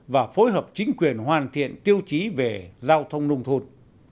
và phối hợp chính quyền hoàn thiện tiêu chí về giao thông nông thôn